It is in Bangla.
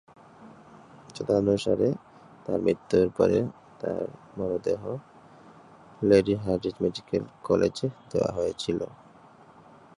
তদনুসারে, তার মৃত্যুর পরে তার মরদেহ লেডি হার্ডিঞ্জ মেডিকেল কলেজে দেওয়া হয়েছিল।